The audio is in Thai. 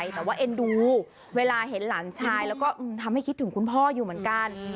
แต่ว่าเอ็นดูเวลาเห็นหลานชายแล้วก็ทำให้คิดถึงคุณพ่ออยู่เหมือนกัน